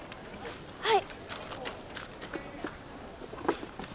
はい。